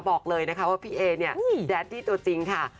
บอกเลยนะคะว่าพี่เอเนี่ยแดดดี้ตัวจริงค่ะ